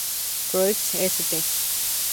Croix, St.